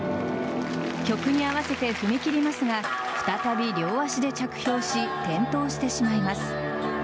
曲に合わせて踏み切りますが再び両足で着氷し転倒してしまいます。